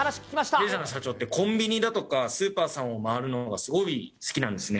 弊社の社長って、コンビニだとかスーパーさんを回るのがすごい好きなんですね。